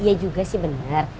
iya juga sih benar